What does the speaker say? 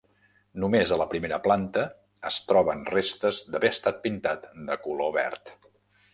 Només a la primera planta es troben restes d'haver estat pintat de color verd.